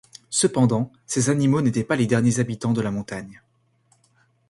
Cependant, ces animaux n’étaient pas les derniers habitants de la montagne.